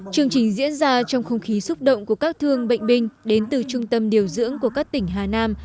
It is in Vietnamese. chương trình diễn ra trong không khí xúc động của các thương bệnh binh đến từ trung tâm điều dưỡng của các tỉnh hà nam